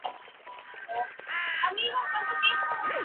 Se suele aplicar a alimentos de estructuras livianas como masas.